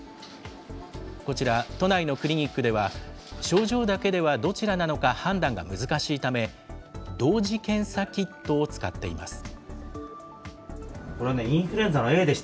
こちら、都内のクリニックでは、症状だけではどちらなのか判断が難しいため、同時検査キットを使っています。